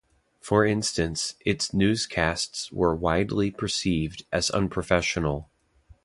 For instance, its newscasts were widely perceived as unprofessional.